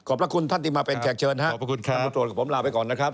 ขอบพระคุณท่านที่มาเป็นแขกเชิญครับ